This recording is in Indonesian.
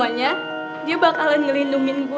aduh pegel nih tangannya